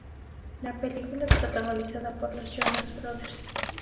La película es protagonizada por los Jonas Brothers.